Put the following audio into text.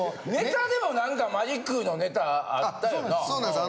ネタでも何かマジックのネタあったよな？